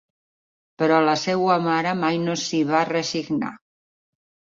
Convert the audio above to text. Però la seua mare mai no s'hi va resignar.